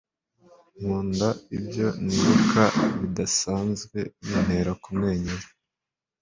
nkunda ibyo nibuka bidasanzwe bintera kumwenyura